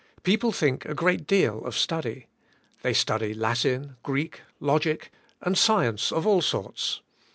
People think a g reat deal of study. They study Latin, Greek, log ic and science of all sorts.